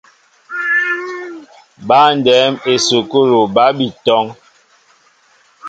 Băndɛm esukul ba bi tɔŋ.